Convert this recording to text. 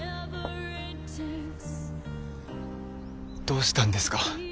どうしたんですか？